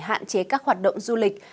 hạn chế các hoạt động du lịch